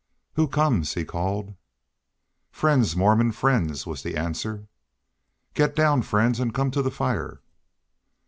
"Who comes?" he called. "Friends, Mormons, friends," was the answer. "Get down friends and come to the fire."